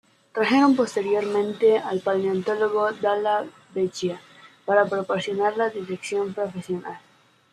Trajeron posteriormente al paleontólogo Dalla Vecchia para proporcionar la dirección profesional.